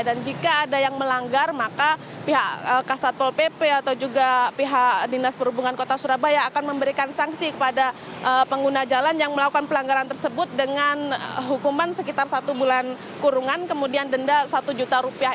dan jika ada yang melanggar maka pihak ksat pol pp atau juga pihak dinas perhubungan kota surabaya akan memberikan sanksi kepada pengguna jalan yang melakukan pelanggaran tersebut dengan hukuman sekitar satu bulan kurungan kemudian denda satu juta rupiah